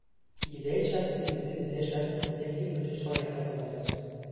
Die Gesellschaft ist im Besitz der Stadt Cincinnati und wird durch Treuhänder verwaltet.